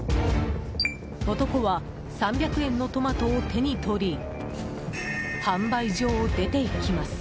男は３００円のトマトを手に取り販売所を出ていきます。